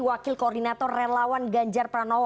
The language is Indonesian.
wakil koordinator relawan ganjar pranowo